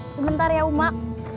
sebentar ya umar